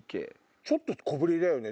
ちょっと小ぶりだよね